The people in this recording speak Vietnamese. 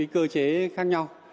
cơ chế khác nhau